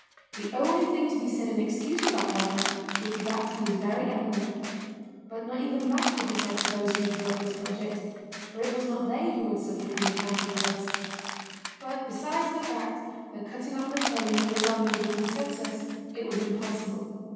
The only thing to be said in excuse of that gardener would be that he was very angry. But not even that could be said for those who drew up this project, for it was not they who had suffered from the trampled beds. But besides the fact that cutting off Napoleon with his army would have been senseless, it was impossible.